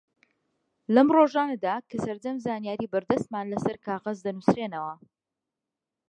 لەم ڕۆژانەدا کە سەرجەم زانیاری بەردەستمان لەسەر کاغەز دەنووسرێنەوە